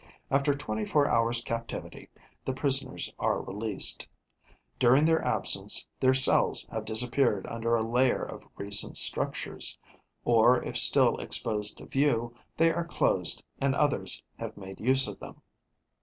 After twenty four hours' captivity, the prisoners are released. During their absence, their cells have disappeared under a layer of recent structures; or, if still exposed to view, they are closed and others have made use of them.